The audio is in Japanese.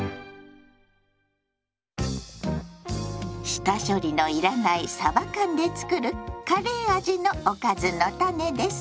下処理の要らない「さば缶」で作るカレー味のおかずのタネです。